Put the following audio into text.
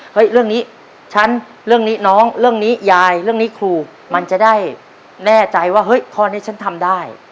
เรื่องนี้ฉันเรื่องนี้น้องเรื่องนี้ยายเรื่องนี้ครูมันจะได้แน่ใจว่าเฮ้ยข้อนี้ฉันทำได้